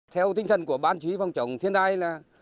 theo tinh thần của bán chí phong trọng thiên đai là